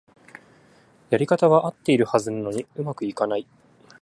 やり方はあってるはずなのに上手くいかない